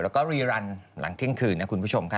แล้วก็รีรันหลังเที่ยงคืนนะคุณผู้ชมค่ะ